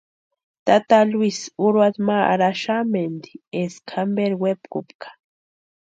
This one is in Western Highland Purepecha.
Tata Luis urhuata ma arhaxamenti énka jamperu wepkupka.